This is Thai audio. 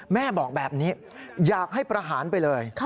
แม่บอกแบบนี้อยากให้ประหารไปเลย